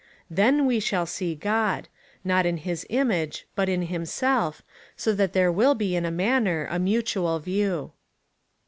Then we shall see God — not in his image, but in him self, so that there will be, in a manner, a mutual view.